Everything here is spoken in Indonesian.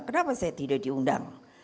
kenapa saya tidak diundang